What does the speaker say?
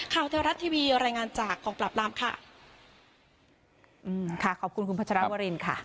เทวรัฐทีวีรายงานจากกองปราบรามค่ะอืมค่ะขอบคุณคุณพัชรวรินค่ะ